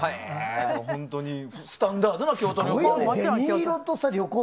本当にスタンダードな京都旅行。